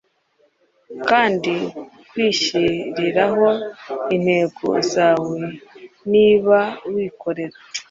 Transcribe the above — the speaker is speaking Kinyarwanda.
kandi kwihyiriraho intego zawe niba wikorera